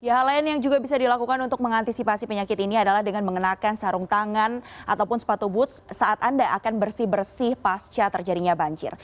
hal lain yang juga bisa dilakukan untuk mengantisipasi penyakit ini adalah dengan mengenakan sarung tangan ataupun sepatu boots saat anda akan bersih bersih pasca terjadinya banjir